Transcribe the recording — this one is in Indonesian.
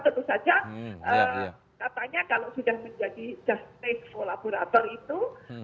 tentu saja katanya kalau sudah menjadi justice collaborator itu